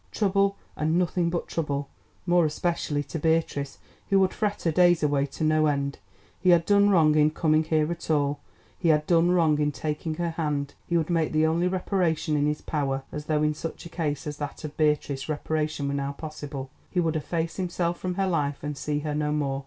Trouble, and nothing but trouble, more especially to Beatrice, who would fret her days away to no end. He had done wrong in coming here at all, he had done wrong in taking her hand. He would make the only reparation in his power (as though in such a case as that of Beatrice reparation were now possible)! He would efface himself from her life and see her no more.